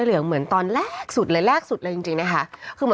อืม